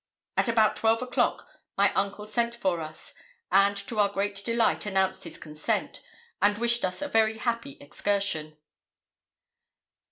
At about twelve o'clock my uncle sent for us, and, to our great delight, announced his consent, and wished us a very happy excursion.